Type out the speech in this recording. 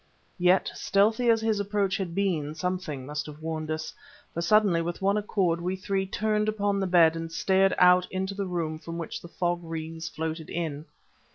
Yet, stealthy as his approach had been, something must have warned us. For suddenly, with one accord, we three turned upon the bed, and stared out into the room from which the fog wreaths floated in.